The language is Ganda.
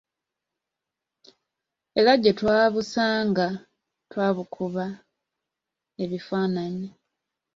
Era gye twabusanga twabukuba ebifaananyi.